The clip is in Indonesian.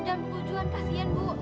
jangan pujuan kasihan bu